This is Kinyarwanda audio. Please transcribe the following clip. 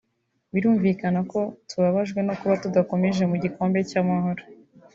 Birumvikana ko tubabajwe no kuba tudakomeje mu gikombe cy’Amahoro